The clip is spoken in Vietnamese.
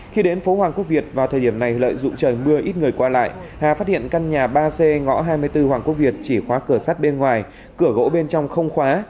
khi đến phố hoàng quốc việt vào thời điểm này lợi dụng trời mưa ít người qua lại hà phát hiện căn nhà ba c ngõ hai mươi bốn hoàng quốc việt chỉ khóa cửa sát bên ngoài cửa gỗ bên trong không khóa